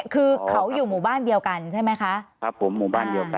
คือเขาอยู่หมู่บ้านเดียวกันใช่ไหมคะครับผมหมู่บ้านเดียวกัน